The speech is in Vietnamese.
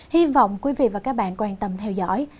hy vọng quý vị và các bạn quan tâm theo dõi